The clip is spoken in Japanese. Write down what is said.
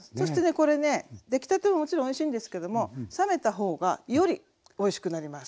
これね出来たてももちろんおいしいんですけども冷めた方がよりおいしくなります。